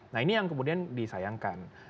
nah ini yang kemudian disayangkan